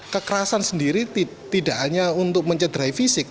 kekerasan sendiri tidak hanya untuk mencederai fisik